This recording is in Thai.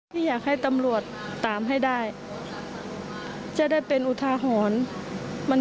ที่อยากให้ตำรวจตามให้ได้จะได้เป็นอุทาหรณ์